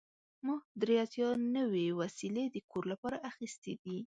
ما درې اتیا نوې وسیلې د کور لپاره اخیستې دي.